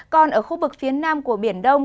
còn ở khu vực phía nam của biển đông